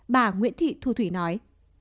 bà nguyễn thị thu thủy nói